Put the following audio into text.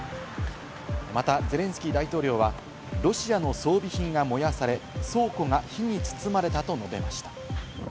またゼレンスキー大統領はロシアの装備品が燃やされ、倉庫が火に包まれたと述べました。